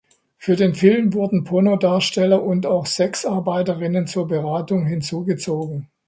Für den Film wurden Pornodarsteller und auch Sexarbeiterinnen zur Beratung hinzugezogen.